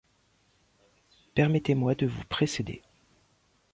Permettez-moi de vous précéder.